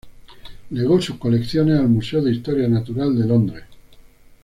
Legó sus colecciones al Museo de Historia Natural de Londres.